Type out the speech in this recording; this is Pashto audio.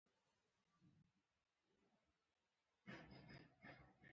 زما خبرې د زړه رڼا ده، پرېږده چې وځلېږي.